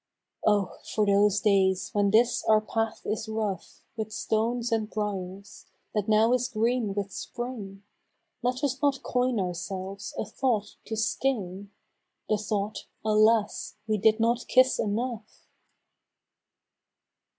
6. Oh ! for those days when this our path is rough With stones and briars, that now is green with spring, Let us not coin ourselves a thought to sting — The thought, " Alas ! we did not kiss enough."